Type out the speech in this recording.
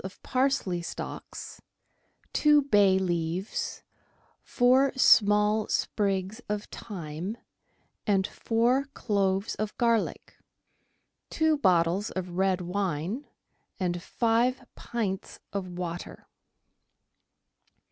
of parsley stalks, two bay leaves, four small sprigs of thyme, and four cloves of garlic ; two bottles of red wine and five pints of water.